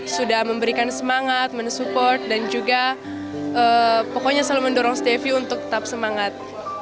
sudah memberikan semangat men support dan juga pokoknya selalu mendorong stevia untuk tetap semangat